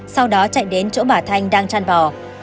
sau đó chạy đến chỗ bà thanh đang chăn bò